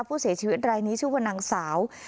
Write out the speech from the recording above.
ผู้เสียชีวิตรายนี้ชื่อว่านางสาว